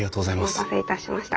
お待たせいたしました。